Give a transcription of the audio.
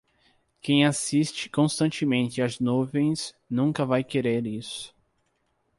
Quem assiste constantemente as nuvens nunca vai querer isso.